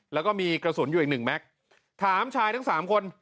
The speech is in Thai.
แล้วก็มีกระสุนอยู่อีกหนึ่งแม็กซ์ถามชายทั้งสามคน